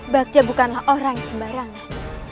bagja bukanlah orang sembarangan